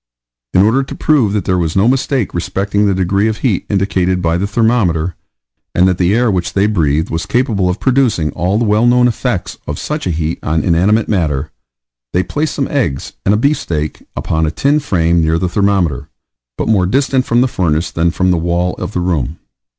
In order to prove that there was no mistake respecting the degree of heat indicated by the thermometer, and that the air which they breathed was capable of producing all the well known effects of such a heat on inanimate matter, they placed some eggs and a beef steak upon a tin frame near the thermometer, but more distant from the furnace than from the wall of the room.